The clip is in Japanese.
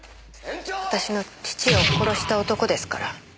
私の父を殺した男ですから。